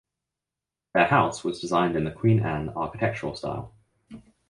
Their house was designed in the Queen Anne architectural style.